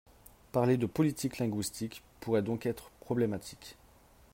Parler de, politique linguistique, pourrait donc être problématique.